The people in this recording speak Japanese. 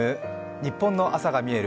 ニッポンの朝が見える。